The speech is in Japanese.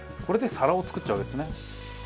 これで皿を作っちゃうわけですね。